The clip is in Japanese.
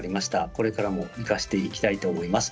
これからも生かしていきたいと思います。